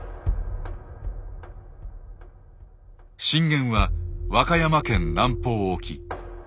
震源は和歌山県南方沖。